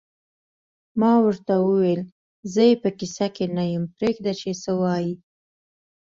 ما ورته وویل: زه یې په کیسه کې نه یم، پرېږده چې څه وایې.